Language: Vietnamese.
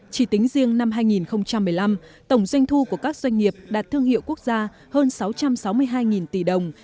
chỉ tính riêng năm hai nghìn một mươi năm tổng doanh thu của các doanh nghiệp đạt thương hiệu quốc gia hơn sáu trăm sáu mươi hai tỷ đồng